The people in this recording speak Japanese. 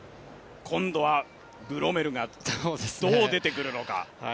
今度はブロメルがどう出てくるのか。